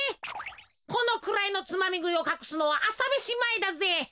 このくらいのつまみぐいをかくすのはあさめしまえだぜ。